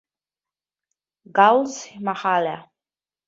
Ghazl Mahalla